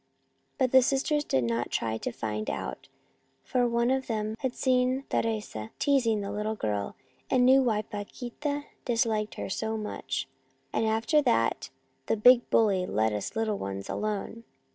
But the sisters did not try to find out, for one of them had seen Teresa teasing the little girl, and knew why Paquita disliked her so much ; and after that the big bully let us little ones alone."